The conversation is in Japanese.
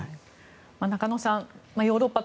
中野さん、ヨーロッパ